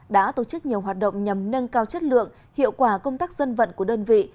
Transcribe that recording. đã tổ chức nhiều hoạt động nhằm nâng cao chất lượng hiệu quả công tác dân vận của đơn vị